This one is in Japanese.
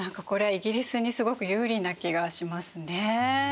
イギリスにすごく有利な気がしますね。